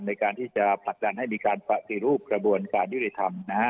ในการที่จะผลักดันให้มีการปฏิรูปกระบวนการยุติธรรมนะฮะ